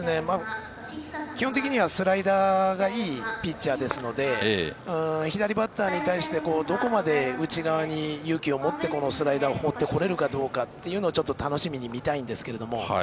基本的にはスライダーがいいピッチャーですので左バッターに対してどこまで内側に勇気を持ってスライダーを放ってこれるかどうかを楽しみに見たいんですけど。